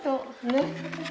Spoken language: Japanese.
ねっ。